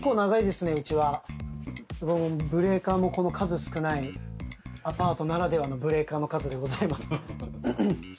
うちはブレーカーもこの数少ないアパートならではのブレーカーの数でございます